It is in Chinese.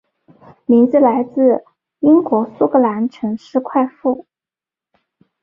名字来自英国苏格兰城市快富。